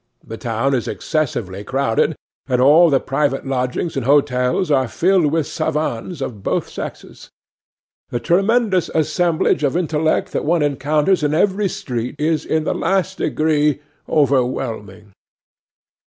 The town is excessively crowded, and all the private lodgings and hotels are filled with savans of both sexes. The tremendous assemblage of intellect that one encounters in every street is in the last degree overwhelming.